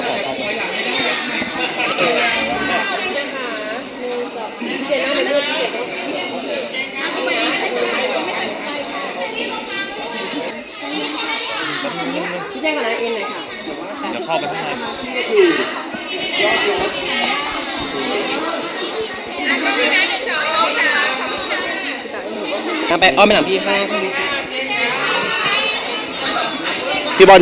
แม่งหนึ่งแม่งหนึ่งอีเซิร์ตกัน